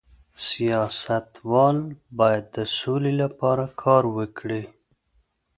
سیاستوال باید د سولې لپاره کار وکړي